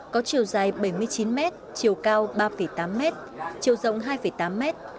có chiều dài bảy mươi chín mét chiều cao ba tám mét chiều rộng hai tám mét